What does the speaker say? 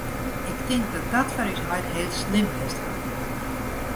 Ik tink dat dat foar ús heit heel slim west hat.